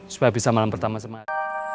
supaya bisa malam pertama semangat